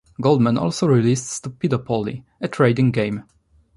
Goldman also released Stupidopoly, a trading game.